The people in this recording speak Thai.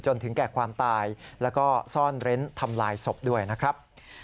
จนถึงแก่ความตายแล้วก็ซ่อนเร้นทำลายศพด้วยนะครับ